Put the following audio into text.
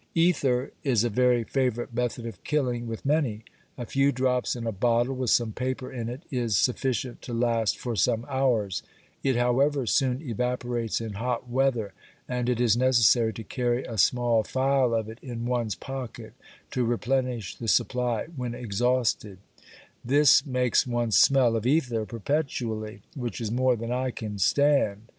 Ether is a very favourite method of killing with many; a few drops in a bottle with some paper in it is sufficient to last for some hours; it however soon evaporates in hot weather, and it is necessary to carry a small phial of it in one's pocket to replenish the supply when exhausted; this makes one smell of ether perpetually, which is more than I can stand.